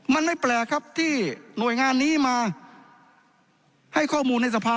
มันไม่แปลกครับที่หน่วยงานนี้มาให้ข้อมูลในสภา